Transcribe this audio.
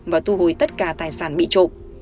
và tu hồi tất cả tài sản bị trộm